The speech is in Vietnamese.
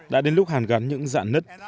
đã đến lúc hàn gắn những dạng nứt